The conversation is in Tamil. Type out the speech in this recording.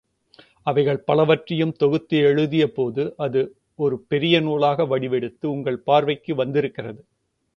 அவைகள் பலவற்றையும் தொகுத்து எழுதியபோது அது ஒரு பெரிய நூலாக வடிவெடுத்து உங்கள் பார்வைக்கு வந்திருக்கிறது.